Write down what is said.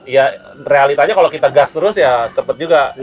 ya realitanya kalau kita gas terus ya cepet juga